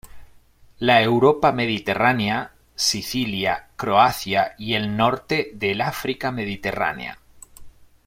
La Europa mediterránea, Sicilia, Croacia y el norte del África mediterránea.